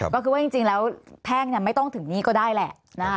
ก็คือว่าจริงแล้วแพ่งไม่ต้องถึงนี่ก็ได้แหละนะคะ